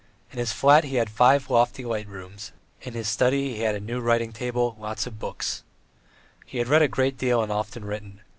In his flat he had five lofty light rooms; in his study he had a new writing table, lots of books. He had read a great deal and often written.